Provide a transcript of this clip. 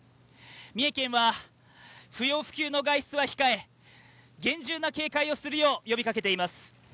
三重県は不要不急の外出は控え厳重な警戒をするよう呼びかけています。